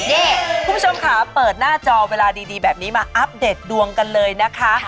นี่คุณผู้ชมค่ะเปิดหน้าจอเวลาดีแบบนี้มาอัปเดตดวงกันเลยนะคะ